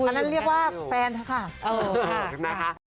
อันนั้นเรียกว่าแฟนเธอค่ะ